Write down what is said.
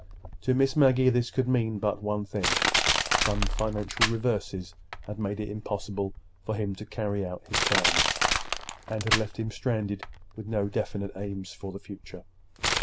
To Miss Maggie this could mean but one thing: some financial reverses had made it impossible for him to carry out his plans, and had left him stranded with no definite aim for the future.